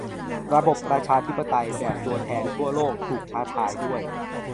ระบบประชาธิปไตยแบบตัวแทนทั่วโลก ถูกท้าทายด้วย